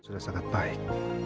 sudah sangat baik